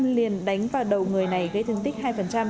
liền đánh vào đầu người này gây thương tích hai